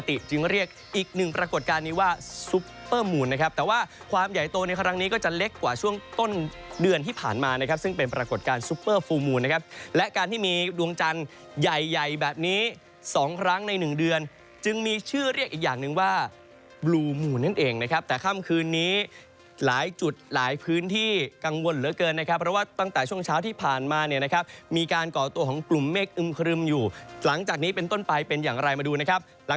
อีกหนึ่งปรากฏการณ์นี้ว่าซุปเปอร์มูลนะครับแต่ว่าความใหญ่โตในครั้งนี้ก็จะเล็กกว่าช่วงต้นเดือนที่ผ่านมานะครับซึ่งเป็นปรากฏการณ์ซุปเปอร์ฟูลมูลนะครับและการที่มีดวงจันทร์ใหญ่แบบนี้๒ครั้งใน๑เดือนจึงมีชื่อเรียกอีกอย่างนึงว่าบลูมูลนั่นเองนะครับแต่ค่ำคืนนี้หลายจุดหลายพื้นที่ก